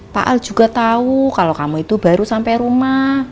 pak al juga tahu kalau kamu itu baru sampai rumah